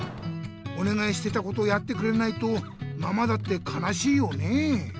おねがいしてたことをやってくれないとママだってかなしいよね。